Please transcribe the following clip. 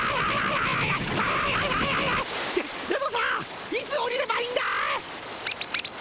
でもさあいつおりればいいんだい？